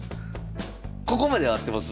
ここまで合ってます？